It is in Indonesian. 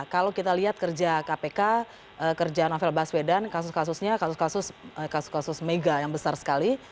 kalau kita lihat kerja kpk kerja novel baswedan kasus kasusnya kasus kasus mega yang besar sekali